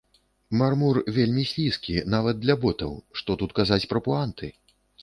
Мармур вельмі слізкі нават для ботаў, што тут казаць пра пуанты!